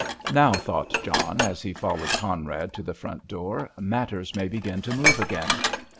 "Now," thought John, as he followed Conrad to the front door, "matters may begin to move again."